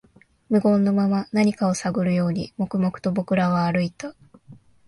無言のまま、何かを探るように、黙々と僕らは歩いた